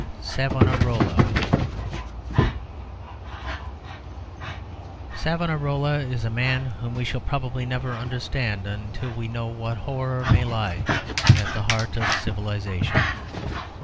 SAVONAROLA Savonarola is a man whom we shall probably never understand until we know what horror may lie at the heart of civilisation.